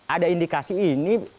ada indikasi ini